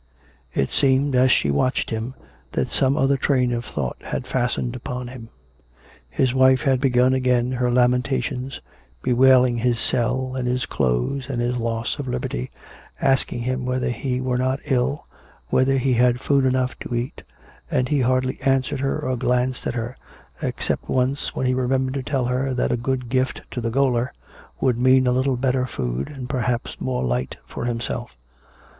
It seemed, as she watched him, that some other train of thought had fastened upon him. His wife had begun again her lamentations, bewailing his cell and his clothes, and his loss of liberty, asking him whether he were not ill, whether he had food enough to eat; and he hardly an swered her or glanced at her, except once when he remem bered to tell her that a good gift to the gaoler would mean a little better food, and perhaps more light for himself.